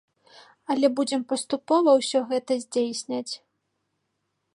Але будзем паступова ўсё гэта здзяйсняць.